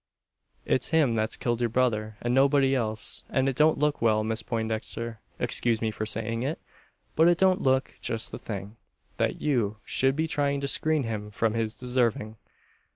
It's him that's killed your brother, and nobody else. And it don't look well, Miss Poindexter excuse me for saying it; but it don't look just the thing, that you should be trying to screen him from his deserving."